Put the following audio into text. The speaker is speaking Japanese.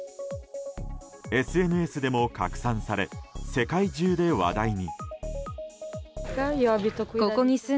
ＳＮＳでも拡散され世界中で話題に。